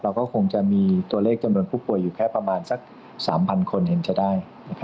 เราก็คงจะมีตัวเลขจำนวนผู้ป่วยอยู่แค่ประมาณสัก๓๐๐คนเห็นจะได้